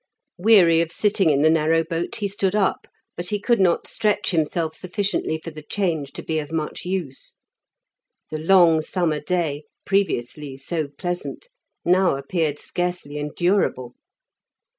Weary of sitting in the narrow boat, he stood up, but he could not stretch himself sufficiently for the change to be of much use. The long summer day, previously so pleasant, now appeared scarcely endurable.